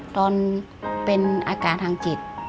ตอนเป็นอาการทางจิต